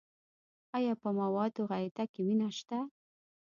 ایا په موادو غایطه کې وینه شته؟